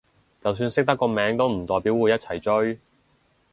就算識得個名都唔代表會一齊追